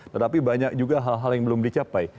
tetapi banyak juga hal hal yang belum dicapai